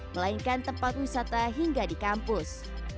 melainkan tempat wisata hingga di kampus